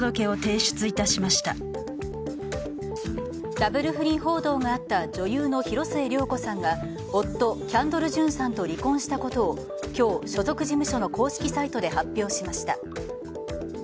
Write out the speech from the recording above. ダブル不倫報道があった女優の広末涼子さんが夫、キャンドル・ジュンさんと離婚したことを今日所属事務所の公式サイトで発表しました。